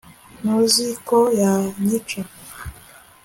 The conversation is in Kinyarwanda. ntuzi ko yanyica